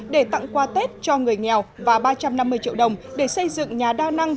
để tặng quà tết cho người nghèo và ba trăm năm mươi triệu đồng để xây dựng nhà đa năng